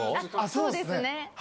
そうですね。